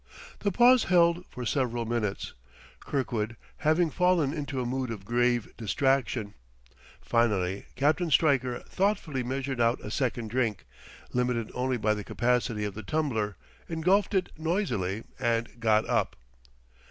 The pause held for several minutes, Kirkwood having fallen into a mood of grave distraction. Finally Captain Stryker thoughtfully measured out a second drink, limited only by the capacity of the tumbler, engulfed it noisily, and got up.